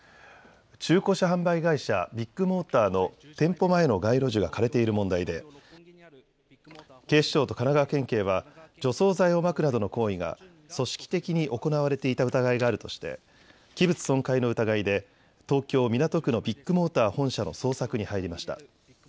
中古車販売会社ビッグモーターの店舗前の街路樹が枯れている問題で警視庁と神奈川県警は除草剤をまくなどの行為が組織的に行われていた疑いがあるとして器物損壊の疑いで東京港区のビッグモーター本社の捜索に入りました。